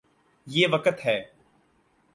یہ وقت ہے۔